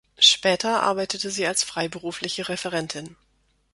Später arbeitete sie als freiberufliche Referentin.